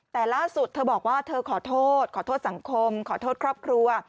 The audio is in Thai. แต่ล่าสุดเธอบอกว่าเธอขอโทษขอโทษสังคมขอโทษครอบครัว